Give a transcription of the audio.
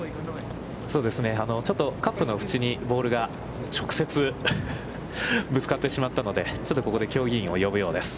カップの縁にボールが直接ぶつかってしまったので、ちょっとここで競技委員を呼ぶようです。